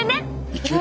いける？